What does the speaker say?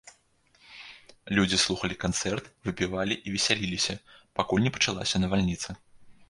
Людзі слухалі канцэрт, выпівалі і весяліліся, пакуль не пачалася навальніца.